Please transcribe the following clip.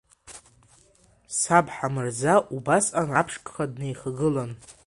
Саб Ҳамырза убасҟан аԥшқа днеихагылан…